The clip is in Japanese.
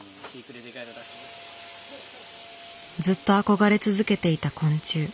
ずっと憧れ続けていた昆虫。